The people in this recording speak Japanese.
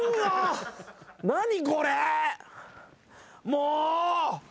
もう！